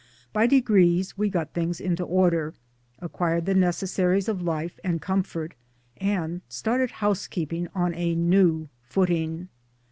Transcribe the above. By degrees we got things into order, acquired the necessaries of life and comfort ; and started housekeeping on a new footing.